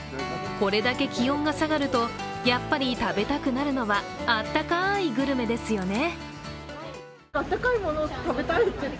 これだけ気温が下がるとやっぱり食べたくなるのはあったかいグルメですよね。